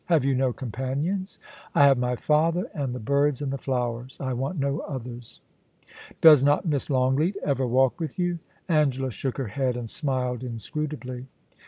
* Have you no companions ?'* I have my father and the birds and the flowers. I want no others.' * Does not Miss Longleat ever walk with you ?' Angela shook her head and smiled inscrutably.